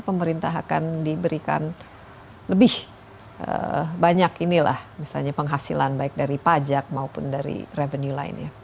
pemerintah akan diberikan lebih banyak inilah misalnya penghasilan baik dari pajak maupun dari revenue lainnya